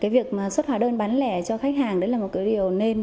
việc xuất hóa đơn bán lẻ cho khách hàng đấy là một điều nên